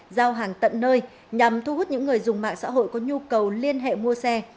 giao hàng tận nơi nhằm thu hút những người dùng mạng xã hội có nhu cầu liên hệ mua xe